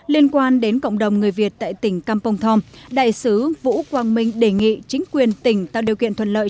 liên quan đến cộng đồng người việt tại tỉnh campuchia vũ quang minh đề nghị chính quyền tỉnh tạo điều kiện thuận lợi